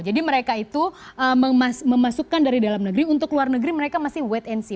jadi mereka itu memasukkan dari dalam negeri untuk luar negeri mereka masih wait and see